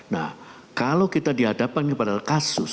nah kalau kita dihadapkan kepada kasus